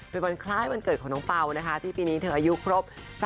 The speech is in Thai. เป็นวันคล้ายวันเกิดของน้องเปล่านะคะที่ปีนี้เธออายุครบ